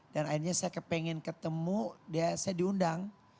dan akhirnya saya kepengen ketemu dia saya diundang